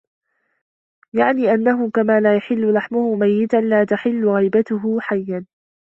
يَعْنِي أَنَّهُ كَمَا لَا يَحِلُّ لَحْمُهُ مَيِّتًا لَا تَحِلُّ غِيبَتُهُ حَيًّا